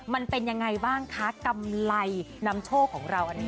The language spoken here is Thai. มันเป็นยังไงบ้างคะกำไรนำโชคของเราอันนี้